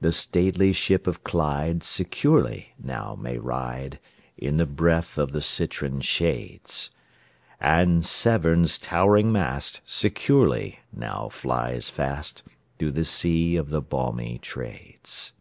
The stately ship of Clyde securely now may ride, In the breath of the citron shades; And Severn's towering mast securely now flies fast, Through the sea of the balmy Trades.